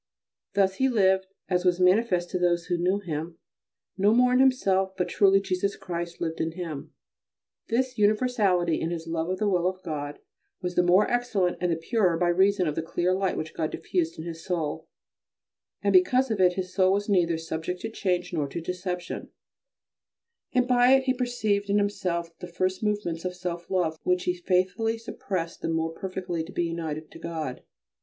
Thus he lived, as was manifest to those who knew him, no more in himself but truly Jesus Christ lived in him. This universality in his love of the will of God was the more excellent and the purer by reason of the clear light which God diffused in his soul, and because of it his soul was neither subject to change nor to deception, and by it he perceived in himself the first movements of self love which he faithfully suppressed the more perfectly to be united to God.